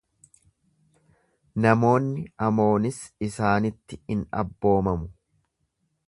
Namoonni Amoonis isaanitti in abboomamu.